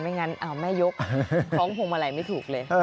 ไม่อย่างนั้นแม่ยกคล้องพงมาลัยไม่ถูกเลย